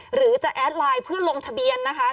หรือจะแอดไลน์เพื่อลงทะเบียนนะคะ